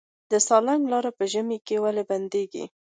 د سالنګ لاره په ژمي کې ولې بندیږي؟